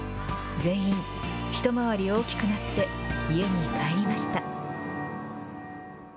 全員、一回り大きくなって、家に帰りました。